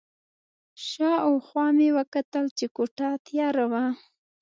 شا او خوا مې وکتل چې کوټه تیاره وه.